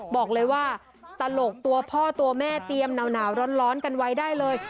บอกเลยว่าตลกตัวพ่อตัวแม่เตรียมหนาวร้อนกันไว้ได้เลย